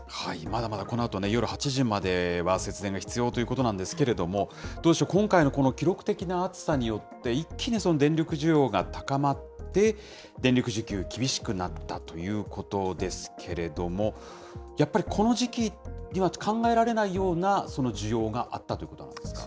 まだまだこのあとね、夜８時までは節電が必要ということなんですけれども、今回の記録的な暑さによって、一気に、その電力需要が高まって、電力需給、厳しくなったということですけれども、やっぱり、この時期には考えられないような需要があったということなんですか。